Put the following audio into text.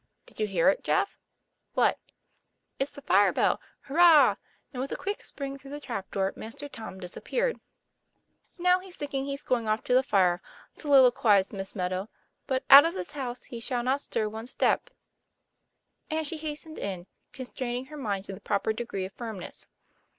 "Did you hear it, Jeff?" " What ?";< It's the fire bell, hurrah!" and with a quick spring through the trap door Master Tom dis appeared. ' Now, he thinks he's going off to the fire," solilo quized Miss Meadow ;" but out of this house he shall not stir one step." And she hastened in, constrain ing her mind to the proper degree of firmness.